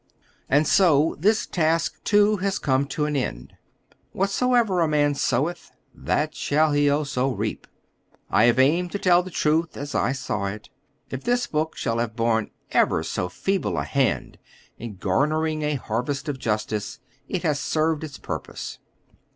And so this task, too, has come to an end. Whatsoever a man soweth, that shall he also reap. I have aimed to tell the truth as I saw it. If this book shall have borne ever so feeble a hand in garnering a harvest of justice, it has served its purpose.